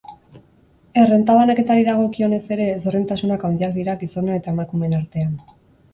Errenta banaketari dagokionez ere, ezberdintasunak handiak dira gizonen eta emakumeen artean.